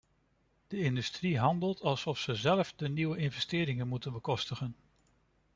De industrie handelt alsof ze zelf de nieuwe investeringen moet bekostigen.